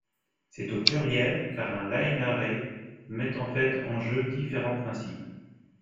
C'est au pluriel, car un line array met en fait en jeu différents principes.